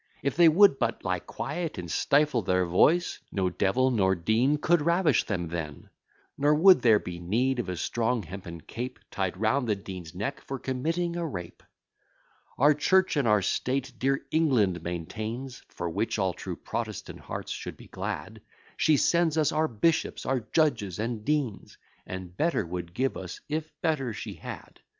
If they would but lie quiet, and stifle their voice, No devil nor dean could ravish them then. Nor would there be need of a strong hempen cape Tied round the dean's neck for committing a rape. Our church and our state dear England maintains, For which all true Protestant hearts should be glad: She sends us our bishops, our judges, and deans, And better would give us, if better she had.